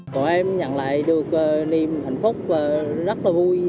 bọn em nhận lại được niềm hạnh phúc và rất là vui